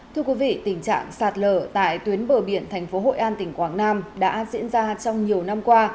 thưa quý vị tình trạng sạt lở tại tuyến bờ biển thành phố hội an tỉnh quảng nam đã diễn ra trong nhiều năm qua